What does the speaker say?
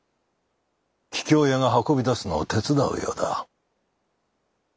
桔梗屋が運び出すのを手伝うようだ。